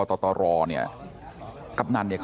พตรพูดถึงเรื่องนี้ยังไงลองฟังกันหน่อยค่ะ